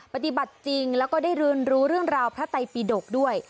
ปฏิบัติจริงแล้วก็ได้เรียนรู้เรื่องราวพระไตปิดกด้วย